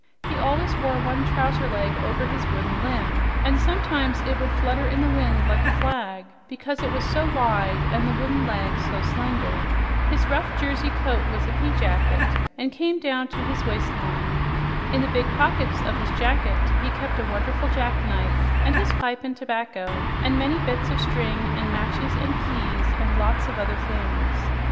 He always wore one trouser leg over his wooden limb and sometimes it would flutter in the wind like a flag because it was so wide and the wooden leg so slender. His rough kersey coat was a pea jacket and came down to his waistline. In the big pockets of his jacket he kept a wonderful jackknife, and his pipe and tobacco, and many bits of string, and matches and keys and lots of other things.